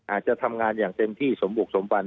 อาจจะทำงานอย่างเต็มที่สมบุกสมบัน